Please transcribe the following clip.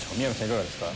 いかがですか？